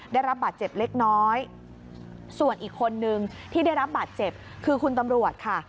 ได้รับบาดเจ็บเล็กน้อยส่วนอีกคนนึงที่ได้รับบาดเจ็บคือคุณตำรวจค่ะ